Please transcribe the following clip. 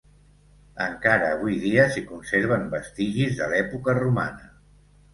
Encara avui dia s'hi conserven vestigis de l'època romana.